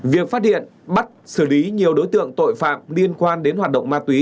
việc phát hiện bắt xử lý nhiều đối tượng tội phạm liên quan đến hoạt động ma túy